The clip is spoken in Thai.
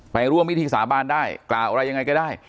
ร่วมพิธีสาบานได้กล่าวอะไรยังไงก็ได้